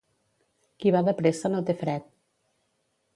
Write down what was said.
Qui va de pressa no té fred.